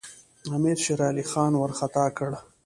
امیر شېرعلي خان وارخطا کړ.